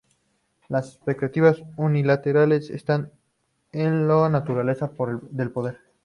Las expectativas unilaterales están en la naturaleza del poder.